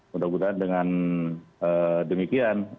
mudah mudahan dengan demikian